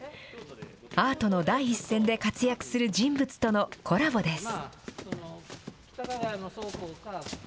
アートの第一線で活躍する人物とのコラボです。